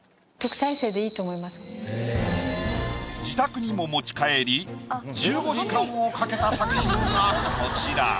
自宅にも持ち帰り１５時間をかけた作品がこちら。